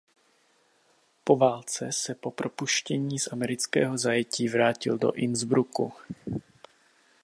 Po válce se po propuštění z amerického zajetí vrátil do Innsbrucku.